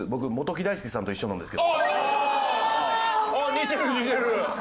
似てる似てる！